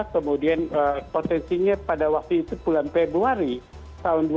kemudian potensinya pada waktu itu bulan februari tahun dua ribu dua